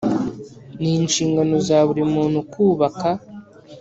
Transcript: n inshingano za buri muntu kubaka